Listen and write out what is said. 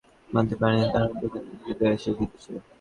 তাদের এমন আচরণ কিছুতেই মানতে পারেননি রানা, দুঃখটা হৃদয়ে এসে বিঁধেছে।